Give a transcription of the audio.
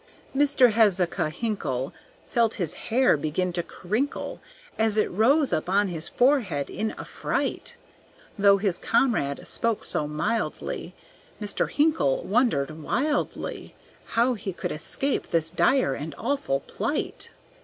Mr. Hezekiah Hinkle Felt his hair begin to crinkle, As it rose up on his forehead in affright; Though his comrade spoke so mildly, Mr. Hinkle wondered wildly, How he could escape this dire and awful plight.